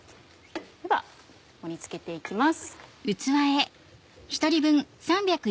では盛り付けて行きます。